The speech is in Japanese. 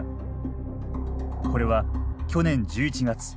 これは去年１１月。